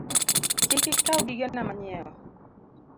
Kik ikaw gigena manyiewo